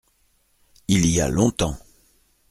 Il y a longtemps.